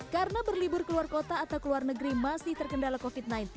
karena berlibur keluar kota atau keluar negeri masih terkendala covid sembilan belas